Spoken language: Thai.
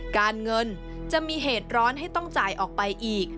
การเงินจะมีเหตุร้อนให้ต้องจ่ายออกไปอีก